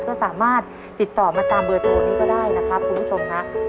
ก็สามารถติดต่อมาตามเบอร์โทรนี้ก็ได้นะครับคุณผู้ชมฮะ